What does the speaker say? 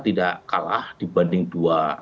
tidak kalah dibanding dua